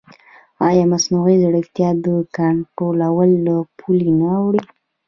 ایا مصنوعي ځیرکتیا د کنټرول له پولې نه اوړي؟